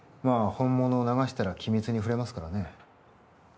まあ本物を流したら機密に触れますからねえ